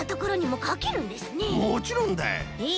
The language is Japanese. もちろんだ！へえ。